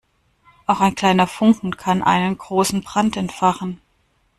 Auch ein kleiner Funken kann einen großen Brand entfachen.